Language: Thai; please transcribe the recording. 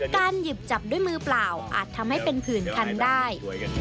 การหยิบจับด้วยมือเปล่าอาจทำให้เป็นผื่นคันได้